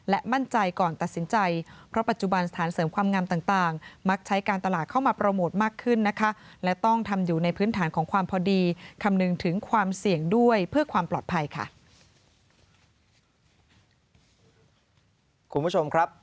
ล่าสุดนี้มีการผ่าตัดรักษาโรคชนิดหนึ่งครับ